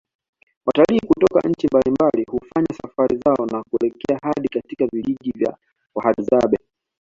Watalii kutoka nchi mbalimbali hufanya safari zao na kuelekea hadi katika vijiji vya wahadzabe